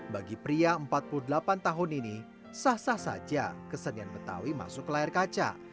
bagi pria empat puluh delapan tahun ini sah sah saja kesenian betawi masuk ke layar kaca